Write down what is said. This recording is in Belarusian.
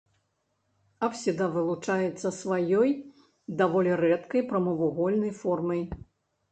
Апсіда вылучаецца сваёй даволі рэдкай прамавугольнай формай.